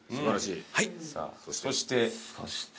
そして。